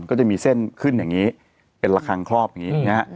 ก็จะมีเส้นขึ้นอย่างนี้เป็นระคังครอบอย่างนี้นะฮะ